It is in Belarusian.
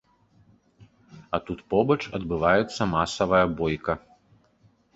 А тут побач адбываецца масавая бойка.